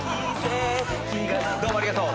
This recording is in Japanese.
どうもありがとう。